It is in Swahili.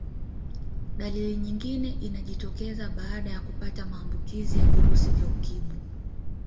Dalili nyingine inayojitokeza baada ya kupata maambukizi ya virusi vya ukimwi